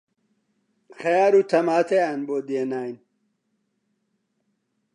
خەیار و تەماتەیان بۆ دێناین